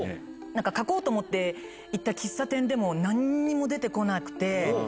なんか書こうと思って行った喫茶店でも、なんにも出てこなくて。